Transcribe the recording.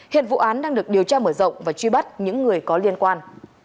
hiện vụ án đang được điều tra mở rộng và truy bắt những người có liên quan